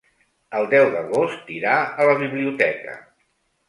El deu d'agost irà a la biblioteca.